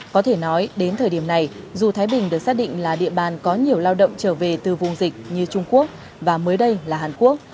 có thể nói đến thời điểm này dù thái bình được xác định là địa bàn có nhiều lao động trở về từ vùng dịch như trung quốc và mới đây là hàn quốc